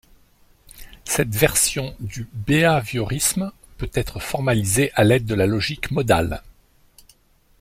Cette version du béhaviorisme peut être formalisée à l'aide de la logique modale.